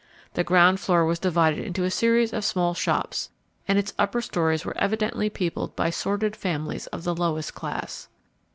The ground floor was divided into a series of small shops, and its upper storeys were evidently peopled by sordid families of the lowest class.